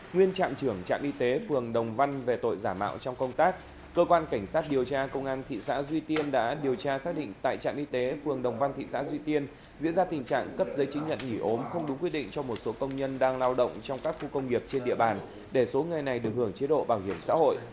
nguyên trạm trưởng trạm y tế phường đồng văn về tội giả mạo trong công tác cơ quan cảnh sát điều tra công an thị xã duy tiên đã điều tra xác định tại trạm y tế phường đồng văn thị xã duy tiên diễn ra tình trạng cấp giấy chứng nhận nghỉ ốm không đúng quyết định cho một số công nhân đang lao động trong các khu công nghiệp trên địa bàn để số người này được hưởng chế độ bảo hiểm xã hội